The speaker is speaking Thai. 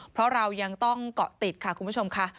เพราะเรายังต้องเกาะติดค่ะคุณผู้ชมค่ะ